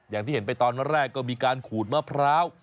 อย่างที่เห็นไปตอนแรกก็มีการขูดมะพร้าว